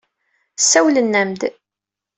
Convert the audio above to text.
Sawlen-am-d.